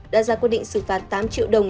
đã ra quyết định xử phạt tám triệu đồng